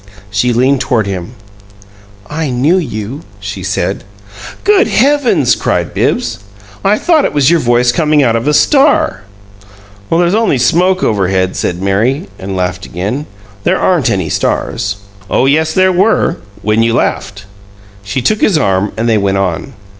She leaned toward him. "I knew YOU!" she said. "Good heavens!" cried Bibbs. "I thought it was your voice coming out of a star!" "There's only smoke overhead," said Mary, and laughed again. "There aren't any stars." "Oh yes, there were when you laughed!" She took his arm, and they went on.